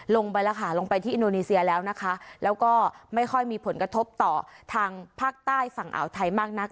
ลงไปแล้วค่ะลงไปที่อินโดนีเซียแล้วนะคะแล้วก็ไม่ค่อยมีผลกระทบต่อทางภาคใต้ฝั่งอ่าวไทยมากนัก